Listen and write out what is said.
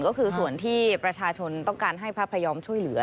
ก็คือส่วนที่ประชาชนต้องการให้พระพยอมช่วยเหลือ